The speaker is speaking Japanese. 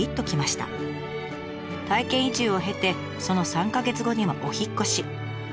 体験移住を経てその３か月後にはお引っ越し。